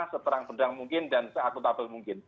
seterang seterang mungkin dan se akutabel mungkin